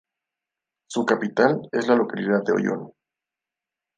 Su capital es la localidad de Oyón.